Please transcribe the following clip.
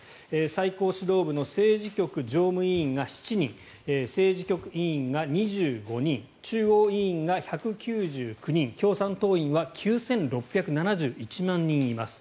最高指導部の政治局常務委員が７人政治局委員が２５人中央委員が１９９人共産党員は９６７１万人います。